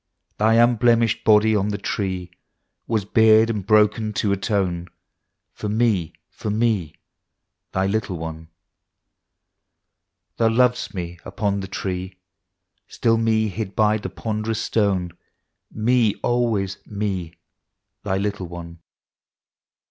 Thy unblemished Body on the Tree ^Ya8 bared and broken to atone For me, for me Thy little one. Thou lovedst me upon the Tree, — Still me, hid by the ponderous stone, — Me always, — me Thy little one.